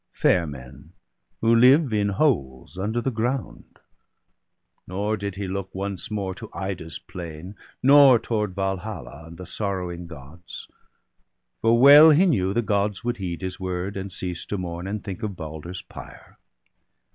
Fair men, who live in holes under the ground; Nor did he look once more to Ida's plain, Nor toward Valhalla, and the sorrowing Gods ; For well he knew the Gods would heed his word. And cease to mourn, and think of Balder's pyre.